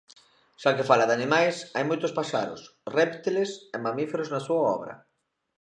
Xa que fala de animais, hai moitos paxaros, réptiles e mamíferos na súa obra.